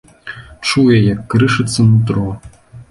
Чуе, як крышыцца нутро.